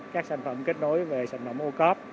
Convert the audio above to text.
các sản phẩm kết nối về sản phẩm ô cớp